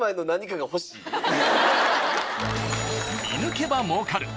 ［『見抜けば儲かる！』］